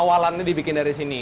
awalannya dibikin dari sini